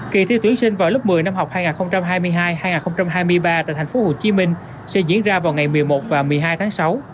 kỳ thi tuyển sinh vào lớp một mươi năm học hai nghìn hai mươi hai hai nghìn hai mươi ba tại thành phố hồ chí minh sẽ diễn ra vào ngày một mươi một và một mươi hai tháng sáu